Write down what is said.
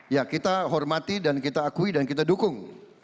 ya kita hormati dan kita akui dan kita dukung